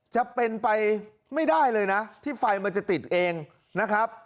จะเป็นไปไม่ได้เลยนะที่ไฟมันจะติดเองนะครับ